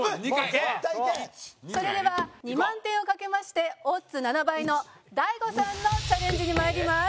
それでは２万点を賭けましてオッズ７倍の大悟さんのチャレンジに参ります。